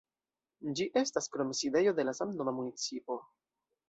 Ĝi estas krome sidejo de la samnoma municipo.